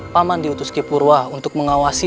paman diutus kipurwa untuk mengawasi